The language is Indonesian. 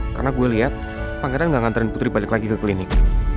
karena gue liat pangeran gak nganterin putri balik lagi ke klinik